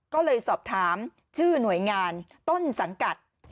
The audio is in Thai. ก็เลยสอบถามชื่อหน่วยงานต้นสังกัด